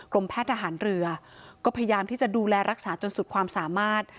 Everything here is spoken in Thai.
แพทย์ทหารเรือก็พยายามที่จะดูแลรักษาจนสุดความสามารถ